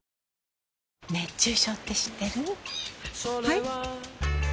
はい？